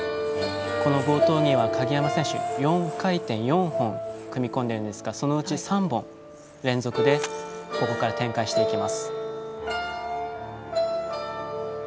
冒頭には鍵山選手、４回転４本組み込んでいるんですがそのうち３本を連続でここから展開していきます。